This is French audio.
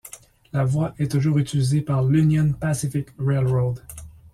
La voie est toujours utilisée par l'Union Pacific Railroad.